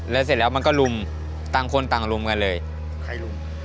แล้วเสร็จแล้วมันก็ลุมต่างคนต่างลุมกันเลยใครลุม